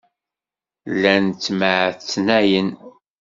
Llan ttemɛetnayen.